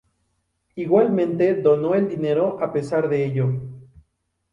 Igualmente donó el dinero a pesar de ello.